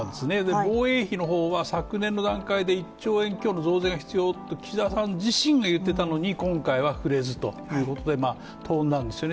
防衛費の方は昨年の段階で１兆円強の増税が必要って岸田さん自身が言ってたのに、今回は触れずということでトーンダウンですよね。